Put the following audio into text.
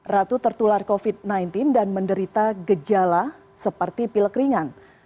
ratu tertular covid sembilan belas dan menderita gejala seperti pilek ringan